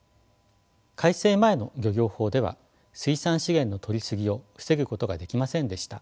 改正前の漁業法では水産資源のとりすぎを防ぐことができませんでした。